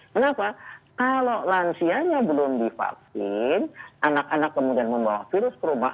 kenapa kalau lansianya belum divaksin anak anak kemudian membawa virus ke rumah